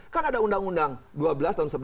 kan ada undang undang dua belas tahun sebelas